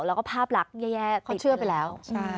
แล้วก็ภาพลักษณ์แย่ติดไปแล้ว